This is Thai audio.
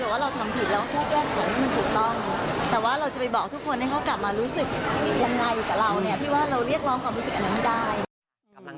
แต่ว่าเราทำผิดเราก็แค่แก้ไขให้มันถูกต้องแต่ว่าเราจะไปบอกทุกคนให้เขากลับมารู้สึกยังไงอยู่กับเราเนี่ยพี่ว่าเราเรียกร้องความรู้สึกอันนั้นได้